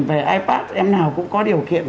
về ipad em nào cũng có điều kiện